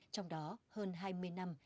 trong đó hơn hai mươi năm